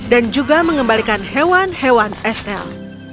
dan juga mengembalikan hewan hewan estel